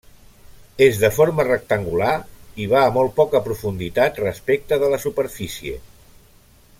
És de forma rectangular i va a molt poca profunditat respecte de la superfície.